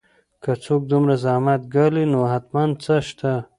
که څوک دومره زحمت ګالي نو حتماً څه شته